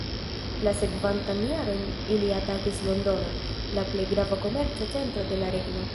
La sekvantan jaron ili atakis Londonon, la plej grava komerca centro de la regno.